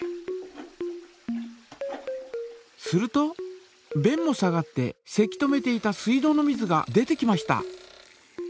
するとべんも下がってせき止めていた水道の水が出てきました。